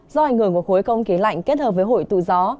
do ảnh hưởng của khối công kế lạnh kết hợp với hội tụ gió